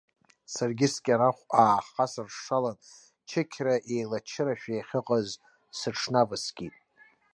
Сара скьарахә аахасыршалан чықьра еилачырашәа иахьыҟаз сыҽнаваскит.